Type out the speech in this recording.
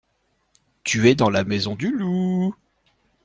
Tu es dans la maison du loup.